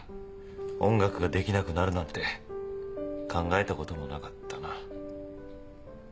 音楽ができなくなるなんて考えたこともなかったな。